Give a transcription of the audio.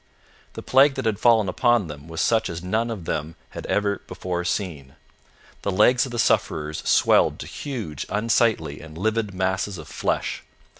The plague that had fallen upon them was such as none of them had ever before seen. The legs of the sufferers swelled to huge, unsightly, and livid masses of flesh.